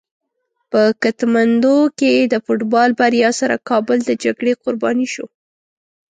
په کتمندو کې د فوټبال بریا سره کابل د جګړې قرباني شو.